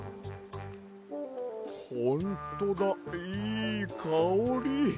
ほんとだいいかおり。